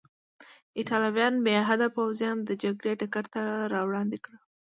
ایټالویانو بې حده پوځیان د جګړې ډګر ته راوړاندې کړي وو.